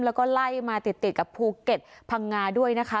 แล้วก็ไล่มาติดกับภูเก็ตพังงาด้วยนะคะ